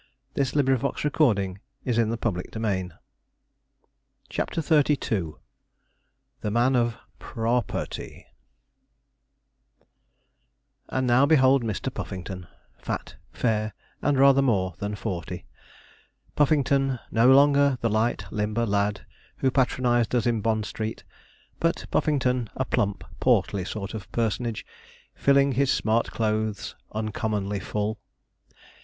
[Illustration: MR. PUFFINGTON, FROM THE ORIGINAL PICTURE] CHAPTER XXXII THE MAN OF P R O R PERTY And now behold Mr. Puffington, fat, fair, and rather more than forty Puffington, no longer the light limber lad who patronized us in Bond Street, but Puffington a plump, portly sort of personage, filling his smart clothes uncommonly full.